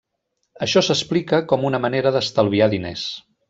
Això s'explicà com una manera d'estalviar diners.